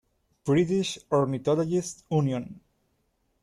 British Ornithologists' Union.